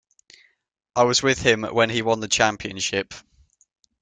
I was with him when he won the Championship.